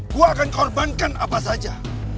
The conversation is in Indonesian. gue akan korbankan apa saja